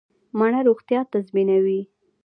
مڼه روغتیا تضمینوي